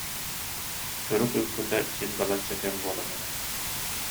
Сурук ыыппыта син балачча кэм буолан эрэр